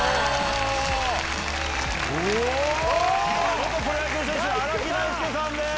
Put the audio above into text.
元プロ野球選手の荒木大輔さんです。